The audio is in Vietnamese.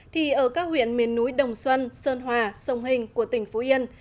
thì ở các huyện miền núi đồng xuân sơn hòa sông hình của tỉnh phú yên